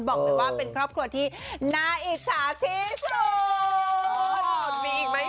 บอกเลยว่าเป็นครอบครัวที่น่าอิจฉาที่สุด